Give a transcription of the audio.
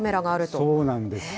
そうなんです。